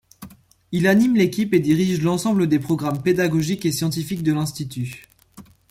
Il anime l’équipe et dirige l’ensemble des programmes pédagogiques et scientifiques de l’Institut.